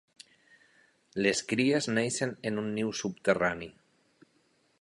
Les cries neixen en un niu subterrani.